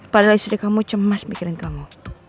padahal istri kamu cemas pikiran kamu